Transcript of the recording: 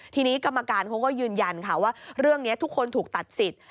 ทีนี้กรรมการเขาก็ยืนยันค่ะว่าเรื่องนี้ทุกคนถูกตัดสิทธิ์